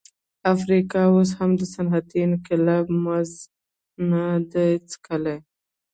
افریقا اوس هم د صنعتي انقلاب مزه نه ده څکلې.